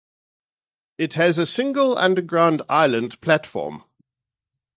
It has a single underground island platform.